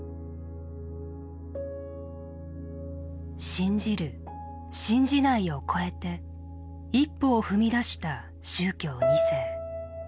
信じる信じないを超えて一歩を踏み出した宗教２世。